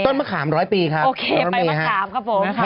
ต้นมะขาม๑๐๐ปีครับ